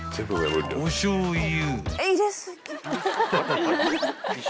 ［おしょうゆ］